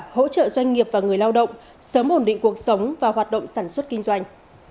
hỗ trợ doanh nghiệp và người lao động sớm ổn định cuộc sống và hoạt động sản xuất kinh doanh